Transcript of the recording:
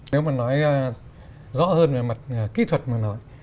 nếu mà nói rõ hơn về mặt kỹ thuật mà nói